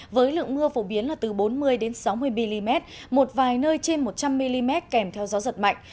với lượng mưa phổ biến là từ bốn mươi sáu mươi mm một vài nơi trên một trăm linh mm kèm theo gió giật mạnh